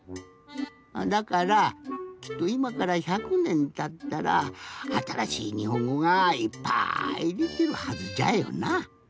だからきっといまから１００ねんたったらあたらしいにほんごがいっぱいできるはずじゃよな。